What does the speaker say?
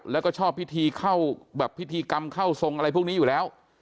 แล้วก็ชอบพิธีเข้าแบบพิธีกรรมเข้าทรงอะไรพวกนี้อยู่แล้ว